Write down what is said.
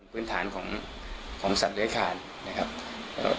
พื้นฐานของสัตว์เลี้ยงขาด